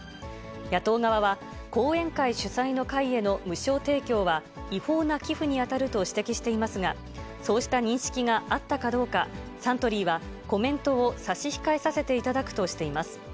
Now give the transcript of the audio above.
野党側は、後援会主催の会への無償提供は、違法な寄付に当たると指摘していますが、そうした認識があったかどうか、サントリーはコメントを差し控えさせていただくとしています。